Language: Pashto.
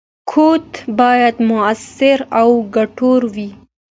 کوډ باید موثر او ګټور وي.